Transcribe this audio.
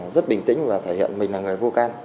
rất bình tĩnh và thể hiện mình là người vô can